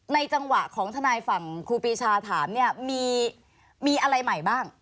จังหวะของทนายฝั่งครูปีชาถามเนี่ยมีอะไรใหม่บ้าง